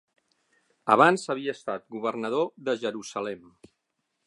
Abans havia estat governador de Jerusalem.